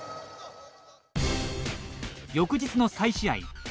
翌日の再試合。